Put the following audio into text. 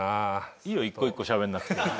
いいよ一個一個しゃべんなくて。